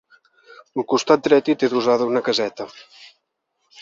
Al costat dret hi té adossada una caseta.